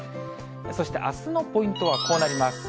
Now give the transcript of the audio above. そしてあすのポイントはこうなります。